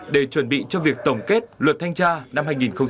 để chuẩn bị cho việc tổng kết luật thanh tra năm hai nghìn một mươi bảy